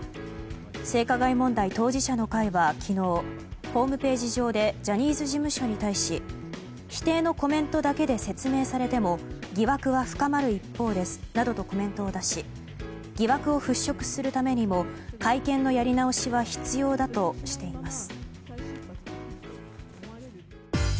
性加害問題当事者の会は昨日、ホームページ上でジャニーズ事務所に対し否定のコメントだけで説明されても疑惑は深まる一方ですなどとコメントを出し疑惑を払拭するためにも会見のやり直しは必要だとしています。